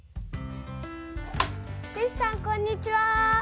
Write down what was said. よしさんこんにちは。